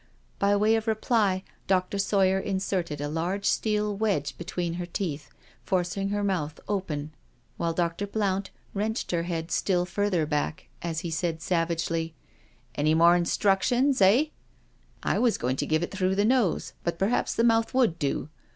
By way of reply. Dr. Sawyer inserted a large steel wedge between her teeth^ forcing her mouth open, while Dr. Blount wrenched her head still further back, as he said savagely : "Any more instructions, eh?" " I was going to give it through the nose, but per haps the mouth would do.